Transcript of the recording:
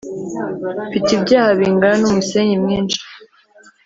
Mfite ibyaha bingana n’umusenyi mwinshi